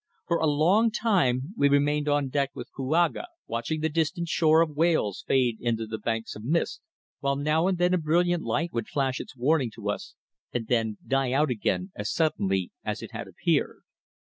For a long time we remained on deck with Kouaga, watching the distant shore of Wales fade into the banks of mist, while now and then a brilliant light would flash its warning to us and then die out again as suddenly as it had appeared.